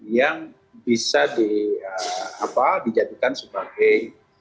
yang bisa dijadikan sebagai